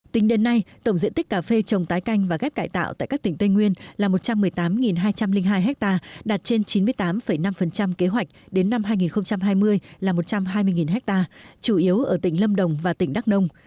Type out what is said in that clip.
tính đến nay tổng diện tích cà phê trồng tái canh và ghép cải tạo tại các tỉnh tây nguyên là một trăm một mươi tám hai trăm linh hai ha đạt trên chín mươi tám năm kế hoạch đến năm hai nghìn hai mươi là một trăm hai mươi ha chủ yếu ở tỉnh lâm đồng và tỉnh đắk nông